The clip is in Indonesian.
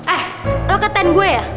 eh lo keten gue ya